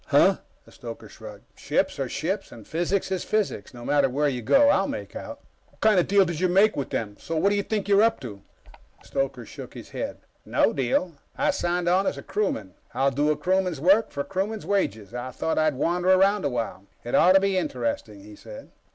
"Huh?" The stoker shrugged. "Ships are ships, and physics is physics, no matter where you go. I'll make out." "What kind of a deal did you make with them? What do you think you're up to?" The stoker shook his head. "No deal. I signed on as a crewman. I'll do a crewman's work for a crewman's wages. I thought I'd wander around a while. It ought to be interesting," he said.